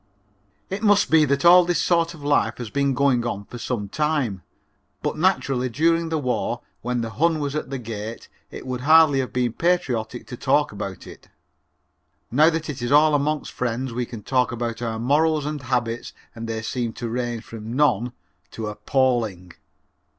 It must be that all this sort of life has been going on for some time, but naturally during the war when the Hun was at the gate it would hardly have been patriotic to talk about it. Now that it's all among friends we can talk about our morals and habits and they seem to range from none to appalling.